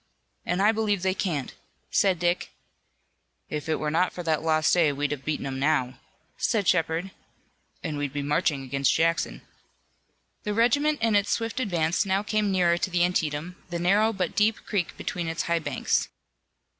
"And I believe they can't," said Dick. "If it were not for that lost day we'd have 'em beaten now," said Shepard, "and we'd be marching against Jackson." The regiment in its swift advance now came nearer to the Antietam, the narrow but deep creek between its high banks.